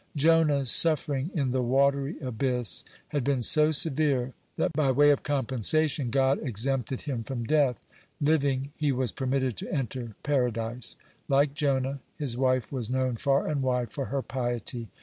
(37) Jonah's suffering in the watery abyss had been so severe that by way of compensation of God exempted him from death: living he was permitted to enter Paradise. (38) Like Jonah, his wife was known far and wide for her piety.